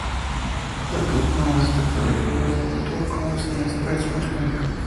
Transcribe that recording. Su película más destacada, con la que debutó como cineasta, es "Mustang".